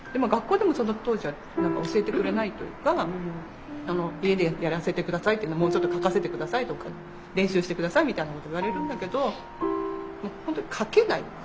学校でもその当時は教えてくれないというか「家でやらせて下さい」って「もうちょっと書かせて下さい」とか「練習して下さい」みたいなこと言われるんだけどもう本当に書けない。